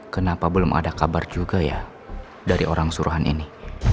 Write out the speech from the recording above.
kenapa belum ada kabar juga ya dari orang suruhan ini